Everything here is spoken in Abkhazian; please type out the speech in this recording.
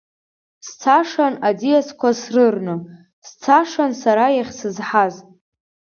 Сцашан аӡиасқәа срырны, сцашан сара иахьсызҳаз.